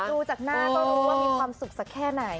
ดูจากหน้าก็รู้ว่ามีความสุขสักแค่ไหน